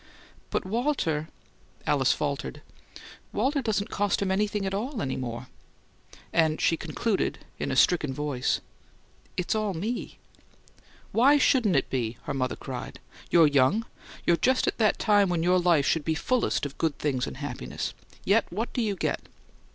"But Walter " Alice faltered. "Walter doesn't cost him anything at all any more." And she concluded, in a stricken voice, "It's all me!" "Why shouldn't it be?" her mother cried. "You're young you're just at the time when your life should be fullest of good things and happiness. Yet what do you get?"